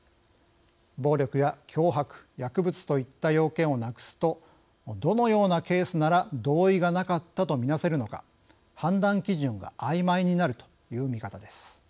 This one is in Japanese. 暴力や脅迫、薬物といった要件をなくすとどのようなケースなら同意がなかったとみなせるのか判断基準があいまいになるという見方です。